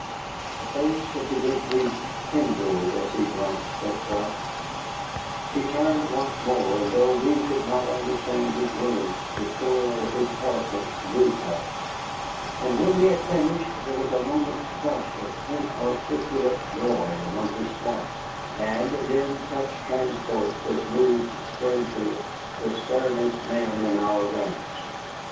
The face of the good priest kindled as he glanced at Clark. He turned once more, and though we could not understand his words, the thrill of his eloquence moved us. And when he had finished there was a moment's hush of inarticulate joy among his flock, and then such transports as moved strangely the sternest men in our ranks.